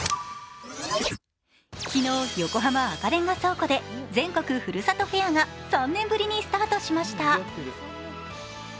昨日、横浜赤レンガ倉庫で全国ふるさとフェアが３年ぶりにスタートしました。